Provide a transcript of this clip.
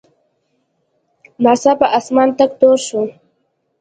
ناڅاپه اسمان تک تور شو.